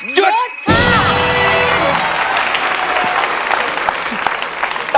หยุดค่ะ